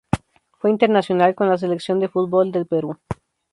Fue internacional con la selección de fútbol del Perú.